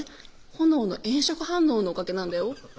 炎の炎色反応のおかげなんだよ」